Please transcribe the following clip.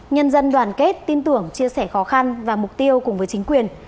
nhân dân đoàn kết tin tưởng chia sẻ khó khăn và mục tiêu cùng với chính quyền